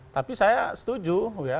tapi saya setuju